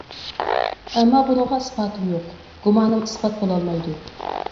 ئەمما بۇنىڭغا ئىسپاتىم يوق، گۇمانىم ئىسپات بولالمايدۇ.